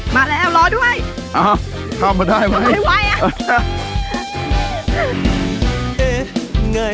มาแล้วรอด้วยอ้าวข้ามมาได้ไหมไม่ไหวอ่ะ